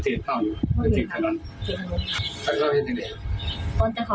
แต่ตอนที่เดี๋ยวบอกเจนาจานกันยังจบแล้ว